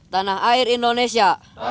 tanah air indonesia